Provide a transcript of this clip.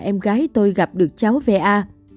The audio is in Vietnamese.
em gái tôi gặp được cháu va